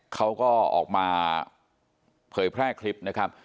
เขาก็ออกมาเผยแพร่คลิปนะครับ